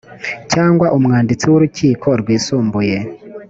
cyangwa umwanditsi w’urukiko rwisumbuye